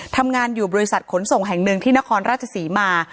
ทำงานอยู่บริษัทขนส่งแห่งหนึ่งที่นครราชศรีมา